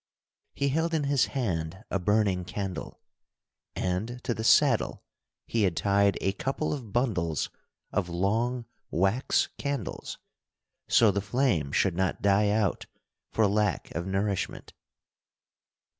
He held in his hand a burning candle, and to the saddle he had tied a couple of bundles of long wax candles, so the flame should not die out for lack of nourishment.